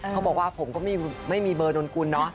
เขาบอกว่าผมก็ไม่มีเบอร์นกุลเนาะ